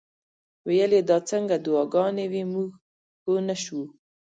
ویل یې دا څنګه دعاګانې وې موږ پوه نه شو.